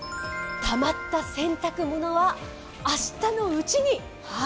たまった洗濯物は、明日のうちに。